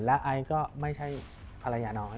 และไอซ์ก็ไม่ใช่ภรรยาน้อย